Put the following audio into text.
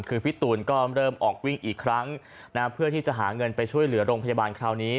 คือพี่ตูนก็เริ่มออกวิ่งอีกครั้งเพื่อที่จะหาเงินไปช่วยเหลือโรงพยาบาลคราวนี้